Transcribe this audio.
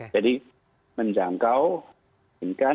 jadi menjangkau yakin kan